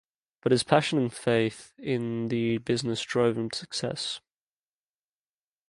But his passion and faith in the business drove him to success.